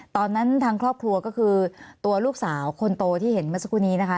ทางครอบครัวก็คือตัวลูกสาวคนโตที่เห็นเมื่อสักครู่นี้นะคะ